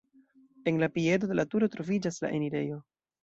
En la piedo de la turo troviĝas la enirejo.